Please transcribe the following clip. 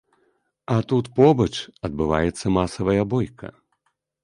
А тут побач адбываецца масавая бойка.